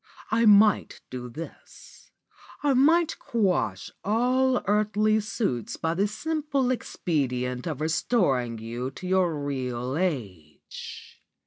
I might do this; I might quash all these earthly suits by the simple expedient of restoring you to your real age.